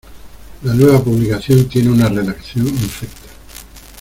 La nueva publicación tiene una redacción infecta.